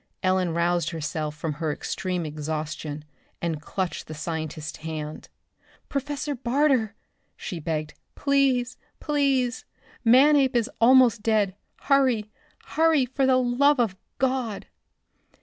Ellen roused herself from her extreme exhaustion and clutched at the scientist's hand. "Professor Barter!" she begged. "Please, please! Manape is almost dead! Hurry! Hurry, for the love of God!"